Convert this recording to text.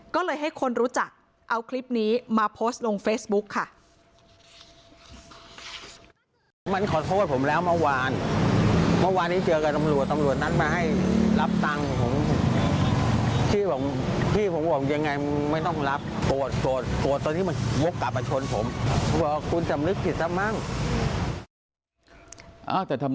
ก็เลยให้คนรู้จักเอาคลิปนี้มาโพสต์ลงเฟซบุ๊กค่ะ